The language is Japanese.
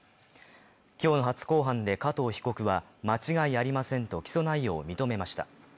今日初公判で加藤被告は間違いありませんと起訴内容を認めました。